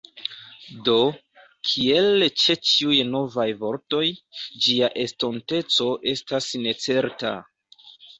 Do, kiel ĉe ĉiuj novaj vortoj, ĝia estonteco estas necerta.